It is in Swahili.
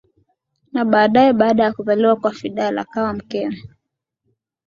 na baadae baada ya kuzaliwa kwa Fidel akawa mkewe